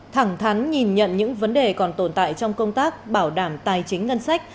thẳng thắn nhìn nhận những vấn đề còn tồn tại trong công tác